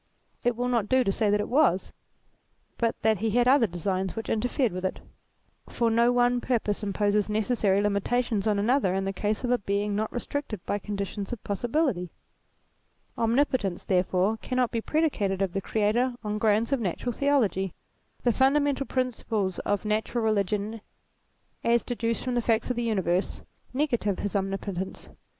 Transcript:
It will not do to say that it was, but that he had other designs which interfered with it ; for no one purpose imposes neces sary limitations on another in the case of a Being not restricted by conditions of possibility. Omnipotence, therefore, cannot be predicated of the Creator on grounds of natural theology. The fundamental principles of natural religion as deduced ATTRIBUTES 181 from the facts of the universe, negative his omni potence.